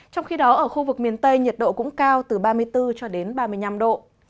trong khi đó ở khu vực miền tây nhiệt độ cũng cao từ ba mươi bốn cho đến ba mươi năm độ